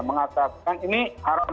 mengatakan ini haram